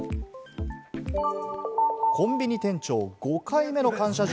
コンビニ店長、５回目の感謝状。